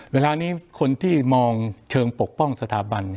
เวลานี้คนที่มองเชิงปกป้องสถาบัน